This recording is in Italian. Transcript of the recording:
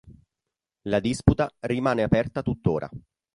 La disputa rimane aperta tuttora.